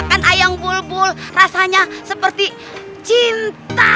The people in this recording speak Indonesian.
makan ayam bulbul rasanya seperti cinta